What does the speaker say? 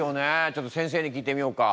ちょっと先生に聞いてみようか。